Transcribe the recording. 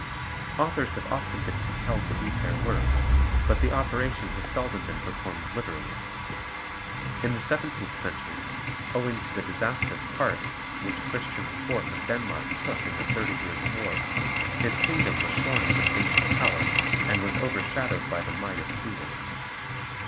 Authors have often been compelled to eat their words, but the operation has seldom been performed literally. In the seventeenth century, owing to the disastrous part which Christian IV. of Denmark took in the Thirty Years' War, his kingdom was shorn of its ancient power and was overshadowed by the might of Sweden.